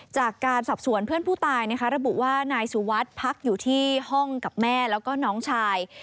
จากการสับสวนเพื่อนผู้ตายระบุว่านายสุทธิวัดพักอยู่ที่ห้องกับแม่และน้องชาย